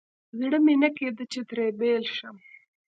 زړه مې نه کېده چې ترې بېل شم.